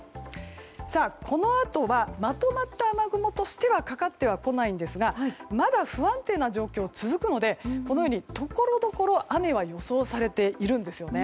このあとはまとまった雨雲としてはかかってこないんですがまだ不安定な状況が続くのでこのようにところどころ雨は予想されているんですよね。